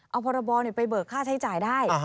เอาพรบไปเบิกค่าใช้จ่ายได้